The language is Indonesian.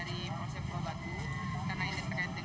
ini diawali dengan aktivitas rutin